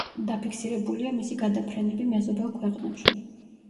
დაფიქსირებულია მისი გადაფრენები მეზობელ ქვეყნებში.